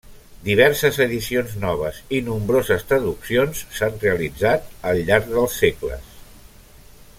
Diverses edicions noves i nombroses traduccions s'han realitzat al llarg dels segles.